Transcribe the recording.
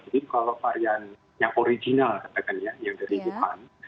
jadi kalau varian yang original katakan ya yang dari wuhan